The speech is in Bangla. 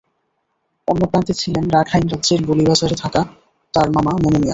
অন্য প্রান্তে ছিলেন রাখাইন রাজ্যের বলিবাজারে থাকা তাঁর মামা মনু মিয়া।